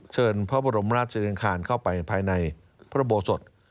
เชิญพระบรมราชริงคารเข้าไปภายในพระโบสถ